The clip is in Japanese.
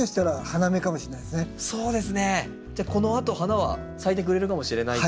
じゃあこのあと花は咲いてくれるかもしれないと。